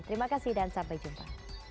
terima kasih dan sampai jumpa